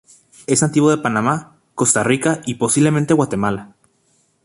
Es nativo de Panamá, Costa Rica y posiblemente Guatemala.